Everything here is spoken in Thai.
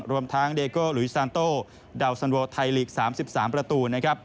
รวมทางเดโกะหลุยสันโตดาวสันโวไทยลีก๓๓ประตู